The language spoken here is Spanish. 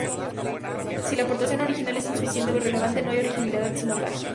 Si la aportación original es insuficiente o irrelevante, no hay originalidad sino plagio.